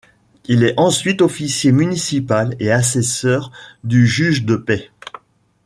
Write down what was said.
Il est ensuite officier municipal et assesseur du juge de paix.